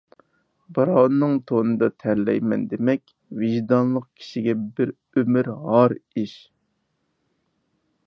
بىراۋنىڭ تونىدا تەرلەيمەن دېمەك، ۋىجدانلىق كىشىگە بىر ئۆمۈر ھار ئىش.